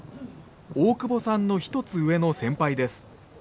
大久保さんの１つ上の先輩です。